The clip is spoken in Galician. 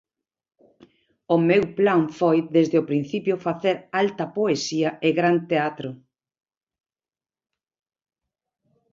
O meu plan foi, desde o principio, facer alta poesía e gran teatro.